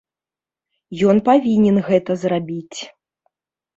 Ён павінен гэта зрабіць.